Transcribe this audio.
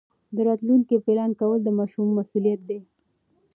د راتلونکي پلان کول د ماشومانو مسؤلیت دی.